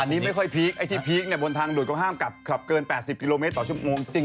อันนี้ไม่ค่อยพีคไอ้ที่พีคเนี่ยบนทางด่วนก็ห้ามกลับขับเกิน๘๐กิโลเมตรต่อชั่วโมงจริง